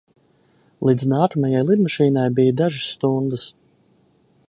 Līdz nākamajai lidmašīnai bija dažas stundas.